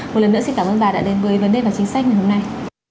một lần nữa xin cảm ơn bà đã đến với vấn đề và chính sách ngày hôm nay